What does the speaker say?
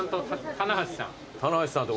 棚橋さんと。